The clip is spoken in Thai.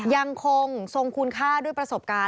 ยังคงทรงคุณค่าด้วยประสบการณ์